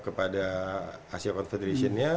kepada asia confederation nya